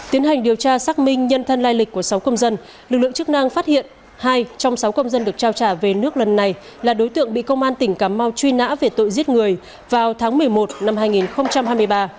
tiến hành điều tra xác minh nhân thân lai lịch của sáu công dân lực lượng chức năng phát hiện hai trong sáu công dân được trao trả về nước lần này là đối tượng bị công an tỉnh cà mau truy nã về tội giết người vào tháng một mươi một năm hai nghìn hai mươi ba